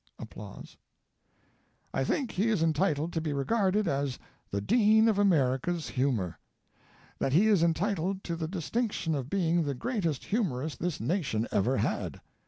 "I think he is entitled to be regarded as the Dean of America's humor; that he is entitled to the distinction of being the greatest humorist this Nation ever had.